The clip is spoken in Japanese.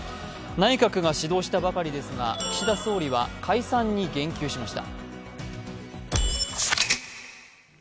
内閣が始動したばかりですが、岸田総理は解散に言及しました。